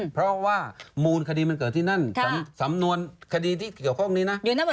เพราะว่ามูลคดีมันเกิดที่นั่นสำนวนคดีที่เกี่ยวข้องนี้นะ